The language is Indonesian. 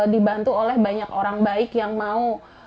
dibantu oleh banyak orang baik yang mau